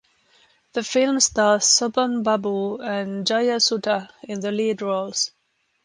The film stars Sobhan Babu and Jayasudha in the lead roles.